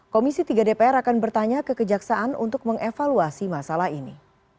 komisi tiga dpr akan bertanya ke kejaksaan untuk mengevaluasi masalah ini